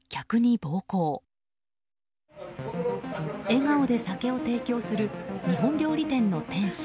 笑顔で酒を提供する日本料理店の店主。